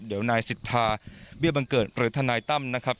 เดี๋ยวนายสิทธาเบี้ยบังเกิดหรือทนายตั้มนะครับ